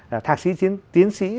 là thạc sĩ tiến sĩ